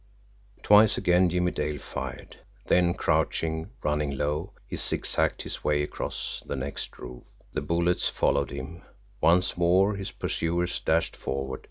Twice again Jimmie Dale fired then crouching, running low, he zigzagged his way across the next roof. The bullets followed him once more his pursuers dashed forward.